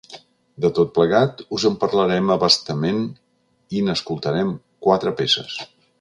De tot plegat, us en parlarem a bastament i n’escoltarem quatre peces.